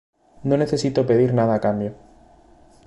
No necesito pedir nada a cambio.